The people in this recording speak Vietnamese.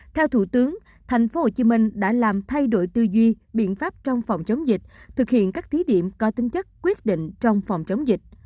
theo thủ tướng thành phố hồ chí minh đã làm thay đổi tư duy biện pháp trong phòng chống dịch thực hiện các thí điểm có tính chất quyết định trong phòng chống dịch